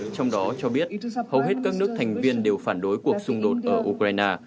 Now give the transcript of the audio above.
trong đó cho biết hầu hết các nước thành viên đều phản đối cuộc xung đột ở ukraine